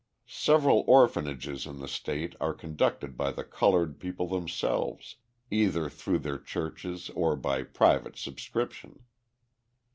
Several orphanages in the state are conducted by the coloured people themselves, either through their churches or by private subscription.